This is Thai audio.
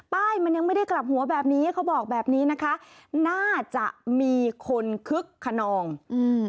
ป้ายมันยังไม่ได้กลับหัวแบบนี้เขาบอกแบบนี้นะคะน่าจะมีคนคึกขนองอืม